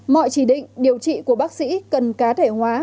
mọi chỉ định điều trị của bác sĩ cần cá thể hóa